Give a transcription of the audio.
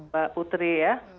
pak putri ya